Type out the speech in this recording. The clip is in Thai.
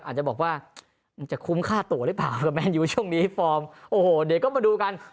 อาจจะบอกว่ามันจะคุ้มค่าตัวหรือเปล่ากับแมนยูช่วงนี้ฟอร์มโอ้โหเดี๋ยวก็มาดูกัน